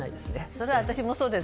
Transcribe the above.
それは私もそうです。